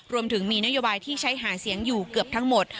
รวมถึงมีนโยบายที่ใช้หาเสียงอยู่เกือบทั้งหมด